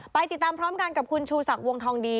ไปติดตามพร้อมกันกับคุณชูศักดิ์วงทองดี